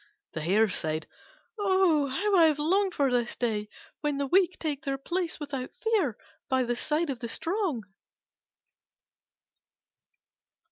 The hare said, "Oh! how I have longed for this day when the weak take their place without fear by the side of the strong!"